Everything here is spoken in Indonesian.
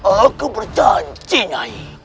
aku berjanji niai